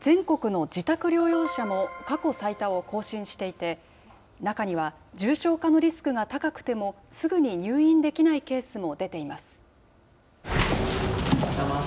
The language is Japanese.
全国の自宅療養者も過去最多を更新していて、中には重症化のリスクが高くてもすぐに入院できないケースも出ています。